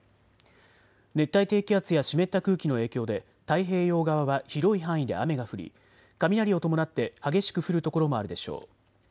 熱帯低気圧や湿った空気の影響で太平洋側は広い範囲で雨が降り雷を伴って激しく降る所もあるでしょう。